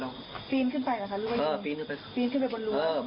แล้วตอนต่อไปเขาอันนี้เขายั่งอยู่ดีหรือครับ